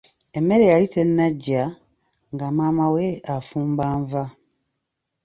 Emmere yali tennaggya, nga maama we afumba nva.